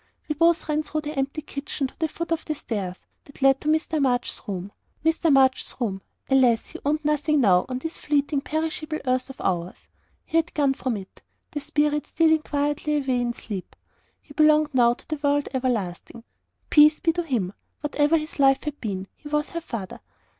We both ran through the empty kitchen to the foot of the stairs that led to Mr. March's room. Mr. March's room! Alas, he owned nothing now on this fleeting, perishable earth of ours. He had gone from it: the spirit stealing quietly away in sleep. He belonged now to the world everlasting. Peace be to him! whatever his life had been, he was HER father.